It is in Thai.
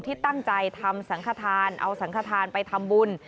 ที่ตั้งใจทำสังขทานเอาสังขทานไปทำบุญ